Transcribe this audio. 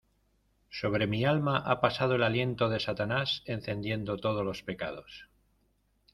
sobre mi alma ha pasado el aliento de Satanás encendiendo todos los pecados: